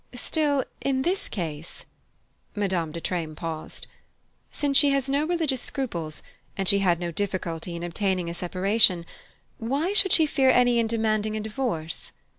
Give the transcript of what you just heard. Still, in this case " Madame de Treymes paused "since she has no religious scruples, and she had no difficulty in obtaining a separation, why should she fear any in demanding a divorce?"